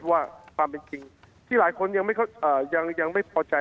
ว่าความเป็นจริงที่หลายคนยังไม่พอใจ